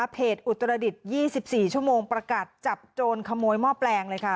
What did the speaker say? อุตรดิษฐ์๒๔ชั่วโมงประกาศจับโจรขโมยหม้อแปลงเลยค่ะ